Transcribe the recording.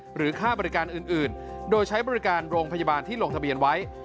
หรือค่าบริการอื่นโดยใช้บริการโรงพยาบาลที่ลงทะเบียนไว้